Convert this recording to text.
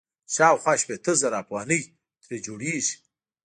چې شاوخوا شپېته زره افغانۍ ترې جوړيږي.